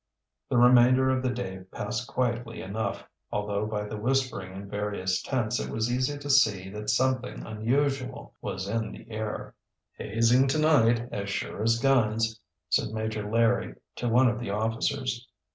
The remainder of the day passed quietly enough, although by the whispering in various tents it was easy to see that something unusual was in the air. "Hazing to night, as sure as guns," said Major Larry to one of the officers.